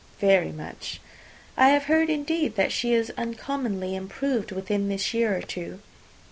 "Very much." "I have heard, indeed, that she is uncommonly improved within this year or two.